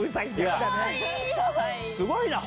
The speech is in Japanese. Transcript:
すごいな！